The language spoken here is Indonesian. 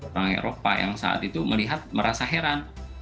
orang eropa yang saat itu melihat merasa heran